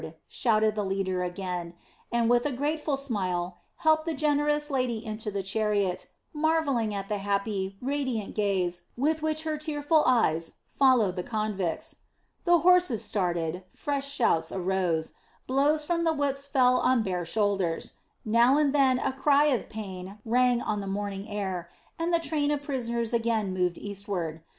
shouted the leader again, and with a grateful smile helped the generous lady into the chariot, marvelling at the happy, radiant gaze with which her tearful eyes followed the convicts. The horses started, fresh shouts arose, blows from the whips fell on bare shoulders, now and then a cry of pain rang on the morning air, and the train of prisoners again moved eastward.